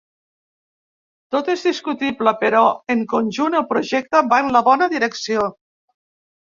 Tot és discutible, però, en conjunt, el projecte va en la bona direcció.